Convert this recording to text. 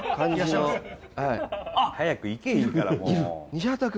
早く行けいいからもう。